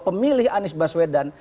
pemilih anies baswedan